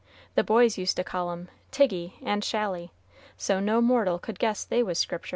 The boys used to call 'em, Tiggy and Shally, so no mortal could guess they was Scriptur'."